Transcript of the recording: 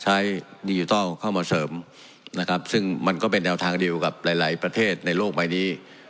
ดิจิทัลเข้ามาเสริมนะครับซึ่งมันก็เป็นแนวทางเดียวกับหลายหลายประเทศในโลกใบนี้